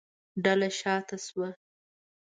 ډله شا ته شوه.